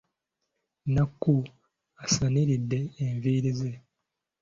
Nakku asaniridde enviiri ze.